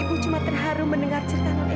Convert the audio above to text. ibu cuma terharu mendengar cerita non evita